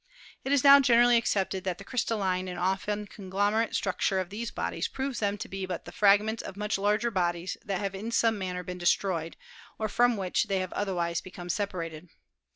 It is now generally accepted that the crystalline and often conglomerate structure of these bodies proves them to be but the fragments of much larger bodies that have in some manner been destroyed or from which they have otherwise become separated.